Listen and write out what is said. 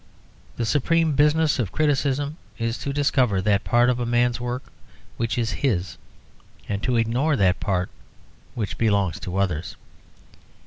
The supreme business of criticism is to discover that part of a man's work which is his and to ignore that part which belongs to others.